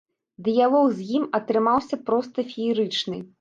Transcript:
Дыялог з ім атрымаўся проста феерычны.